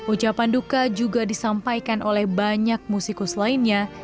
ucapan duka juga disampaikan oleh banyak musikus lainnya